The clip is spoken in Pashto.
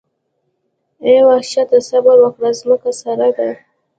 اې وحشته صبر وکړه ځمکه سره ده.